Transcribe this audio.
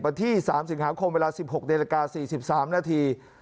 วันที่สามสิบหาคมเวลาสิบหกในละกาสี่สิบสามนาที